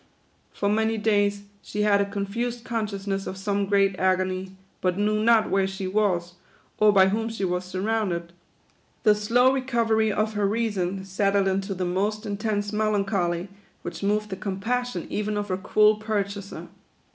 For many days she had a confused consciousness of some great agony, but knew not where she was, or by whom she was surrounded. The slow recovery of her reason settled into the most intense melancholy, which moved the compassion even of her cruel pur chaser.